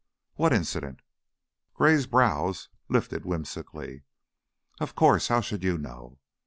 "What incident?" Gray's brows lifted whimsically. "Of course. How should you know?